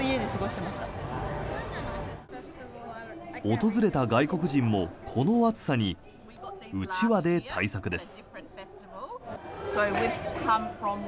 訪れた外国人も、この暑さにうちわで対策です。